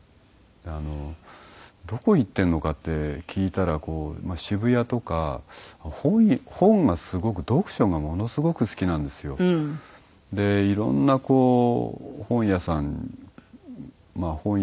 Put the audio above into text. どこ行ってるのかって聞いたら渋谷とか本がすごく読書がものすごく好きなんですよ。でいろんな本屋さんまあ本屋を巡って。